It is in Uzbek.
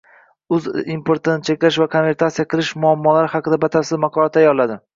uz importni cheklash va konvertatsiya qilish muammolari haqida batafsil maqola tayyorladi